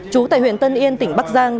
chú tại huyện tân yên tỉnh bắc giang